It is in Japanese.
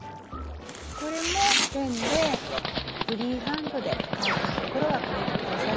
これもペンでフリーハンドでカーブの所は書いて下さい。